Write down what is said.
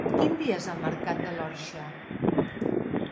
Quin dia és el mercat de l'Orxa?